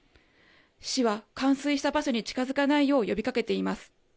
市は冠水した場所に近づかないよう呼びかけています。